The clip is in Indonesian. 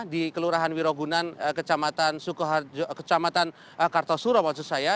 di kelurahan wirogunan kecamatan kartosuro maksud saya